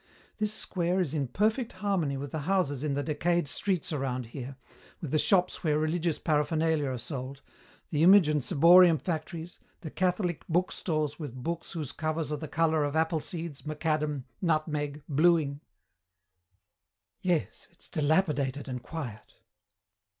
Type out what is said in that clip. This square is in perfect harmony with the houses in the decayed streets around here, with the shops where religious paraphernalia are sold, the image and ciborium factories, the Catholic bookstores with books whose covers are the colour of apple seeds, macadam, nutmeg, bluing. "Yes, it's dilapidated and quiet."